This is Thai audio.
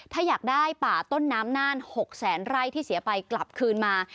ถ้าอยากได้ป่าต้นน้ำน่าน๖แสนไร่ที่เสียไปกลับคืนมา